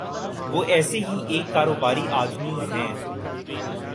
وہ ایسے ہی ایک کاروباری آدمی ہیں۔